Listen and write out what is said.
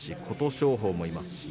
琴勝峰もいます。